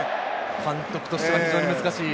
監督としては非常に難しい。